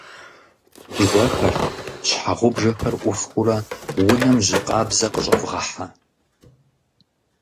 Бжэхэр, щхьэгъубжэхэр ӏуфхыурэ унэм жьы къабзэ къыщӀэвгъэхьэ.